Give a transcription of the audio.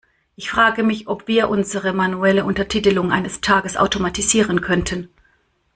Ich frage mich, ob wir unsere manuelle Untertitelung eines Tages automatisieren könnten.